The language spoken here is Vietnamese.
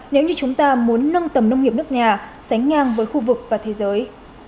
nếu như chúng ta muốn nâng tầm nông nghiệp nước nhà sánh ngang với khu vực và thế giới